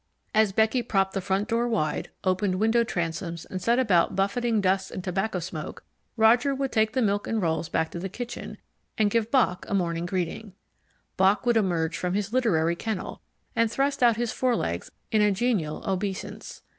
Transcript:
As Becky propped the front door wide, opened window transoms, and set about buffeting dust and tobacco smoke, Roger would take the milk and rolls back to the kitchen and give Bock a morning greeting. Bock would emerge from his literary kennel, and thrust out his forelegs in a genial obeisance.